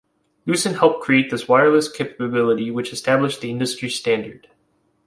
Lucent helped create this wireless capability which established the industry standard.